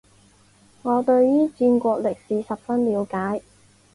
我对于战国历史十分了解